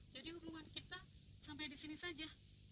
jadi hubungan kita sampai disini saja